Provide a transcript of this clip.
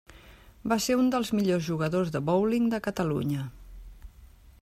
Va ser un dels millors jugadors de bowling de Catalunya.